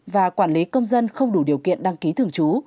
và quản lý công dân không đủ điều kiện đăng ký thường trú